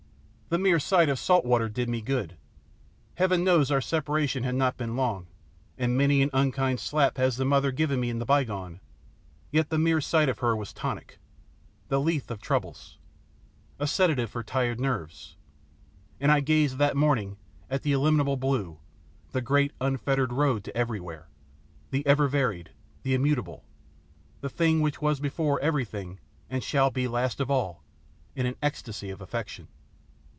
The mere sight of salt water did me good. Heaven knows our separation had not been long, and many an unkind slap has the Mother given me in the bygone; yet the mere sight of her was tonic, a lethe of troubles, a sedative for tired nerves; and I gazed that morning at the illimitable blue, the great, unfettered road to everywhere, the ever varied, the immutable, the thing which was before everything and shall be last of all, in an ecstasy of affection.